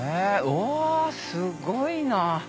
うわすごいな。